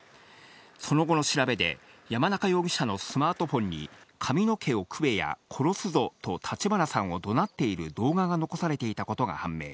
その後の調べで、山中容疑者のスマートフォンに、髪の毛を食えや殺すぞと立花さんをどなっている動画が残されていたことが判明。